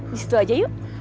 di situ aja yuk